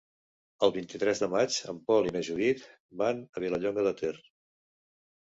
El vint-i-tres de maig en Pol i na Judit van a Vilallonga de Ter.